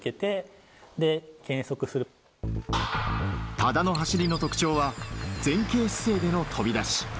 多田の走りの特徴は前傾姿勢での飛び出し。